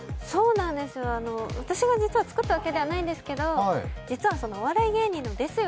そうなんですよ、私が作ったわけじゃないんですけど実はお笑い芸人のですよ